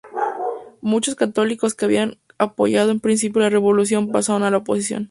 Muchos católicos que habían apoyado en principio la Revolución pasaron a la oposición.